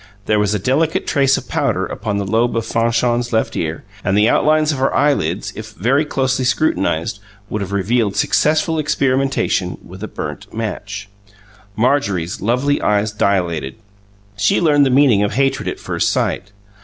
There was a delicate trace of powder upon the lobe of Fanchon's left ear, and the outlines of her eyelids, if very closely scrutinized, would have revealed successful experimentation with a burnt match. Marjorie's lovely eyes dilated: she learned the meaning of hatred at first sight.